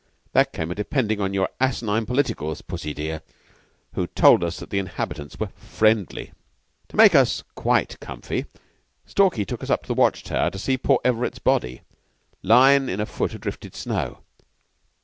That came of dependin' upon your asinine Politicals, Pussy dear, who told us that the inhabitants were friendly. "To make us quite comfy, Stalky took us up to the watch tower to see poor Everett's body, lyin' in a foot o' drifted snow.